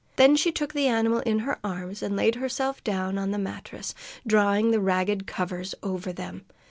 Then she took the animal in her arms and laid herself down on the mattress, drawing the ragged covers over them.